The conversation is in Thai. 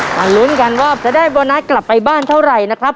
ลุ้นกันว่าจะได้โบนัสกลับไปบ้านเท่าไหร่นะครับ